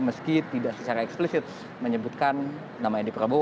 meski tidak secara eksplisit menyebutkan nama edi prabowo